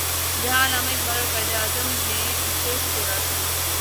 جہاں علامہ اقبال اور قائد اعظم نے اسے چھوڑا تھا۔